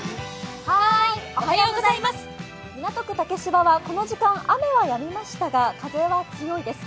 港区竹芝は、この時間、雨はやみましたが風は強いです。